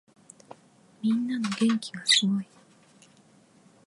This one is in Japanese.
みんなの元気がすごい。